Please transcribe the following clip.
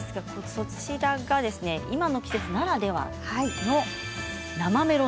そちらが今の季節ならではですね。